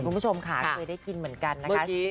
คุณผู้ชมค่ะเคยได้กินเหมือนกันนะคะ